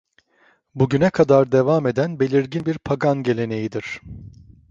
Bugüne kadar devam eden belirgin bir Pagan geleneğidir.